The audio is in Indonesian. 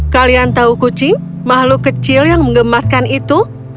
kalian tahu kucing makhluk kecil yang mengemaskan itu